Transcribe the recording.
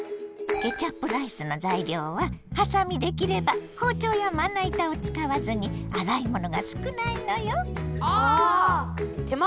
ケチャップライスの材料ははさみで切ればほうちょうやまないたをつかわずにあらいものが少ないのよ。